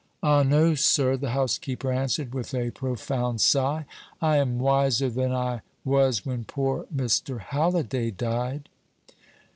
"Ah no, sir," the housekeeper answered, with a profound sigh; "I am wiser than I was when poor Mr. Halliday died."